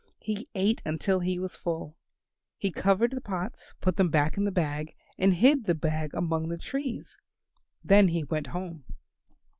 He ate until he was full. He covered the pots, put them back in the bag, and hid the bag among the trees. Then he went home.